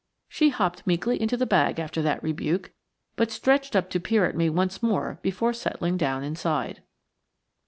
She hopped meekly into the bag after that rebuke, but stretched up to peer at me once more before settling down inside.